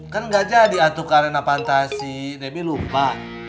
kan gak jadi atuh kalena fantasi debbie lupa